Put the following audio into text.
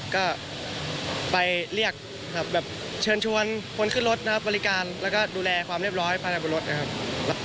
ก็ไปเรียกแบบเชิญชวนคนขึ้นรถนะครับบริการแล้วก็ดูแลความเรียบร้อยภายในบนรถนะครับ